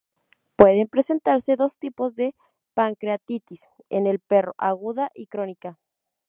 Pueden presentarse dos tipos de pancreatitis en el perro: aguda y crónica.